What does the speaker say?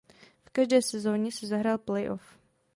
V každé sezoně si zahrál play off.